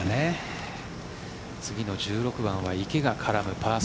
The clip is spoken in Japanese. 次の１６番は池が絡むパー３。